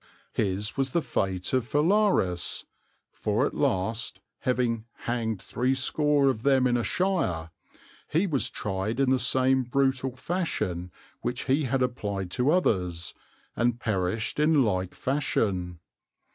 His was the fate of Phalaris, for at last, having "hanged three score of them in a shire," he was tried in the same brutal fashion which he had applied to others, and perished in like fashion.